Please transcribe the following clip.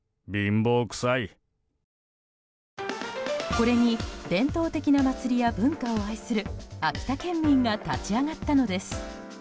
これに伝統的な祭りや文化を愛する秋田県民が立ち上がったのです。